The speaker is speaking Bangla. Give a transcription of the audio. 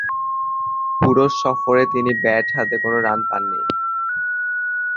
পুরো সফরে ব্যাট হাতে তিনি কোন রান পাননি।